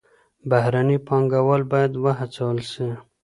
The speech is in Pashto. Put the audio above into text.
بهرني پانګوال بايد وهڅول سي.